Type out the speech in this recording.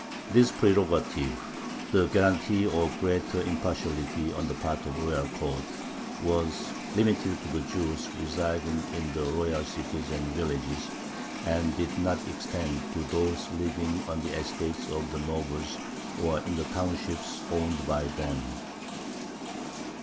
This prerogative the guarantee of greater impartiality on the part of the royal court was limited to the Jews residing in the royal cities and villages, and did not extend to those living on the estates of the nobles or in the townships owned by them.